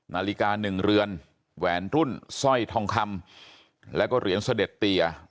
นาฬิกา๑เรือนแหวนรุ่นสร้อยทองคำแล้วก็เหรียญเสด็จเตีย